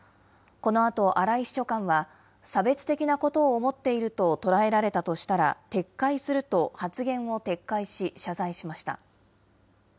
このあと荒井秘書官は、差別的なことを思っていると捉えられたとしたら撤回すると発言を撤回し、謝罪しました。